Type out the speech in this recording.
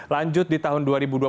lanjut di tahun dua ribu dua puluh